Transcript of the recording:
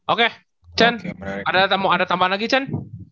oke chen ada tambahan lagi chen